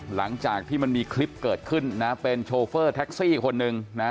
หลังจากที่มันมีคลิปเกิดขึ้นนะเป็นโชเฟอร์แท็กซี่คนหนึ่งนะ